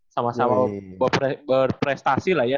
sama sama berprestasi lah ya